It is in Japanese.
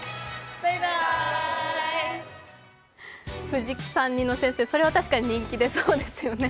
藤木さん似の先生それは確かに人気出そうですね。